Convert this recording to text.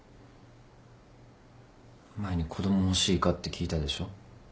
前に子供欲しいかって聞いたでしょ？